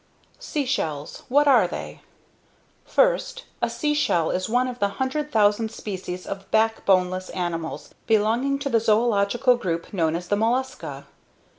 SEASHELLS. . .WHAT ARE THEY? First, a seashell is one of the 100,000 species of backboneless animals belonging to the zoological group known as the Mollusca.